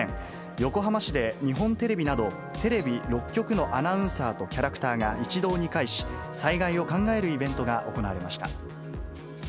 横浜市で日本テレビなど、テレビ６局のアナウンサーとキャラクターが一堂に会し、災害を考えるイベントが行われました。